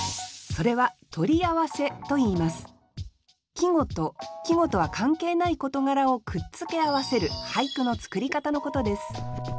季語と季語とは関係ない事柄をくっつけ合わせる俳句の作り方のことです